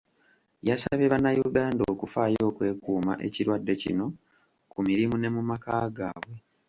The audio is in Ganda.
Yasabye bannayuganda okufaayo okwekuuma ekirwadde kino ku mirimu ne mu maka gaabwe.